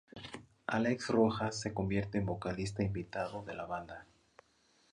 Alex Rojas se convierte en vocalista invitado de la banda.